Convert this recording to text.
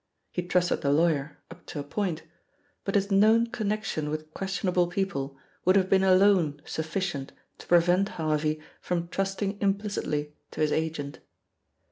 He trusted the lawyer up to a point, but his known connection with questionable people would have been alone sufficient to prevent Harvey from trusting implicitly to his agent.